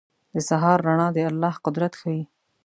• د سهار رڼا د الله قدرت ښيي.